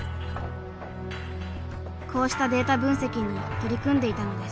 こうしたデータ分析に取り組んでいたのです。